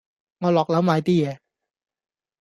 我落樓買啲嘢